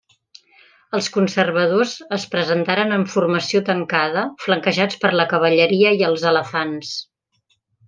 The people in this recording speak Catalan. Els conservadors es presentaren en formació tancada, flanquejats per la cavalleria i els elefants.